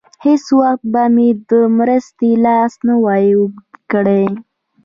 هېڅ وخت به مې د مرستې لاس نه وای اوږد کړی.